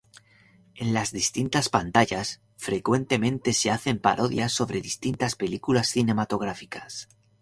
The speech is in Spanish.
En las distintas pantallas frecuentemente se hacen parodias sobre distintas películas cinematográficas.